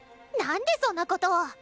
なんでそんなことを！